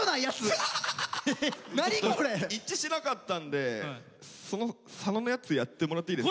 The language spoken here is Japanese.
一致しなかったんでその佐野のやつやってもらっていいですか。